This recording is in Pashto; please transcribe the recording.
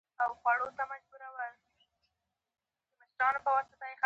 په سترګو لیدل د غم نښې راښکاره کوي